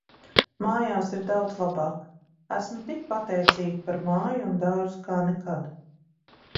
Mājās ir daudz labāk. Esmu tik pateicīga par māju un dārzu kā nekad.